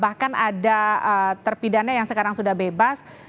bahkan ada terpidana yang sekarang sudah bebas